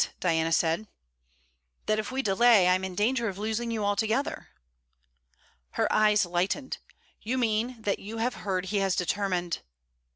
Diana said. 'That if we delay, I 'm in danger of losing you altogether.' Her eyes lightened: 'You mean that you have heard he has determined